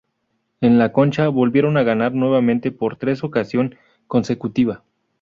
En la Concha volvieron a ganar nuevamente por tres ocasión consecutiva.